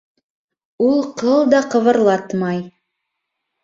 Ул ҡыл да ҡыбырлатмай